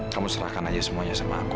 kamu serahkan aja semuanya sama aku